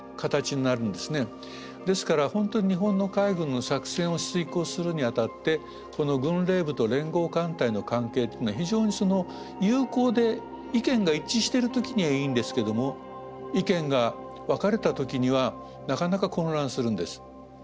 ですから本当に日本の海軍の作戦を遂行するにあたってこの軍令部と連合艦隊の関係っていうのは非常に有効で意見が一致してる時にはいいんですけども意見が分かれた時にはなかなか混乱するんです。